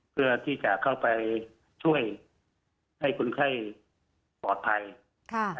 เพื่อที่จะเข้าไปช่วยให้คนไข้ปลอดภัยค่ะ